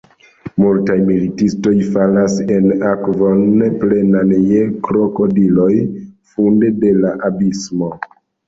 Multaj militistoj falas en akvon plenan je krokodiloj funde de la abismo.